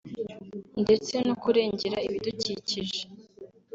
ndetse no kurengera ibidukikije